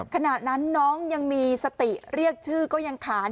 ขณะนั้นน้องยังมีสติเรียกชื่อก็ยังขาน